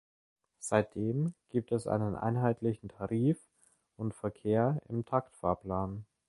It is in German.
Seitdem gibt es einen einheitlichen Tarif und Verkehr im Taktfahrplan.